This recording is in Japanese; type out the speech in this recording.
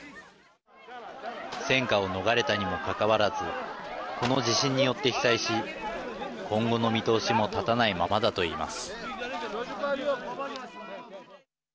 戦火を逃れたにもかかわらずこの地震によって被災し今後の見通しも立たないままだと言います。